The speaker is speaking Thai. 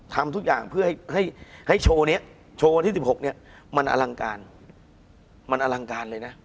ทำทุกอย่างเพื่อให้โชว์นี้โชว์วันที่๑๖มันแอลังการ